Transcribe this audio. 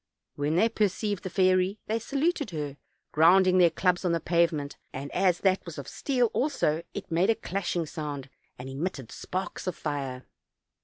When they perceived the fairy they saluted her, grounding their clubs on the pavement; and as that was of steel also, it made a clashing so:ind, and emitted sparks of fire.